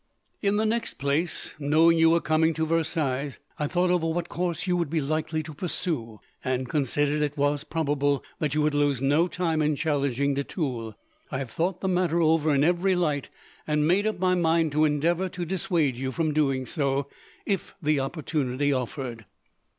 "In the next place, knowing you were coming to Versailles, I thought over what course you would be likely to pursue, and considered it was probable you would lose no time in challenging de Tulle. I have thought the matter over, in every light, and made up my mind to endeavour to dissuade you from doing so, if the opportunity offered.